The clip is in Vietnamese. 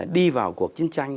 đi vào cuộc chiến tranh